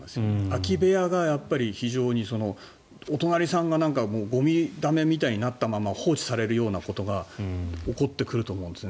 空き部屋が、非常にお隣さんがゴミだめみたいになったまま放置されるようなことが起こってくると思うんです。